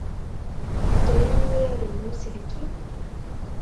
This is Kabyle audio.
Tram uraren n uselkim?